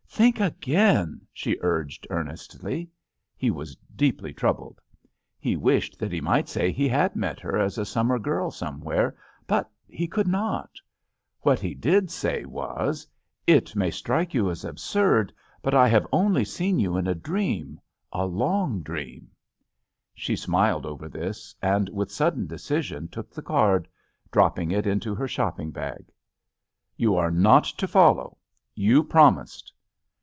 "Think again!" she urged, earnestly. He was deeply troubled. He wished that he might say he had met her as a summer girl somewhere, but he could not. What he did say was :^ JUST SWEETHEARTS "It may strike you as absurd, but I have only seen you in a dream — a long dream!" She smiled over this and with sudden decision took the card, dropping it into her shopping bag. "You are not to follow. You promised!"